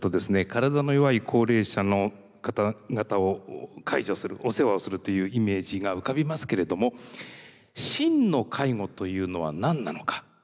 体の弱い高齢者の方々を介助するお世話をするというイメージが浮かびますけれども真の介護というのは何なのか？